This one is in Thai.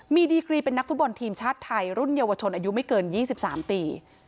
มีดีกรีเป็นนักฟุตบอลทีมชาติไทยรุ่นเยาวชนอายุไม่เกิน๒๓ปี